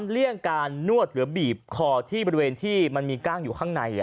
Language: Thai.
เลี่ยงการนวดหรือบีบคอที่บริเวณที่มันมีก้างอยู่ข้างใน